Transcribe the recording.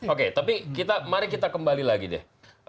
oke tapi mari kita kembali lagi deh